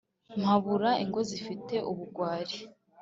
Mpabura ingo zifite urugwari